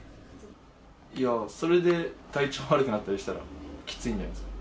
いや、それで体調悪くなったりしたらきついんじゃないですか。